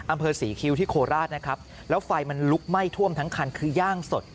อำเภอศรีคิวที่โคราชนะครับแล้วไฟมันลุกไหม้ท่วมทั้งคันคือย่างสด